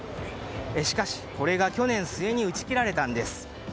しかし、これが去年末に打ち切られたんです。